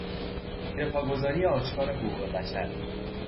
زیر پا گذاری آشکار حقوق بشر